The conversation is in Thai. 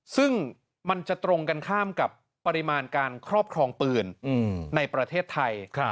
ซึ่งมันจะตรงกันข้ามกับปริมาณการครอบครองปืนในประเทศไทย